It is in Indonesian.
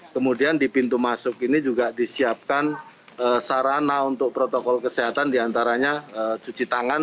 kemudian di pintu masuk ini juga disiapkan sarana untuk protokol kesehatan diantaranya cuci tangan